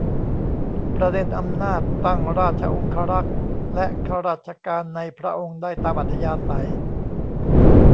ประเด็นอำนาจตั้งราชองครักษ์และข้าราชการในพระองค์ได้ตามอัธยาศัย